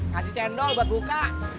kasih cendol buat buka